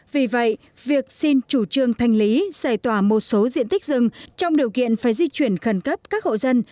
vì vậy việc xin chủ trương thanh lý giải tỏa một số diện tích rừng trong điều kiện phải di chuyển khẩn cấp các hộ dân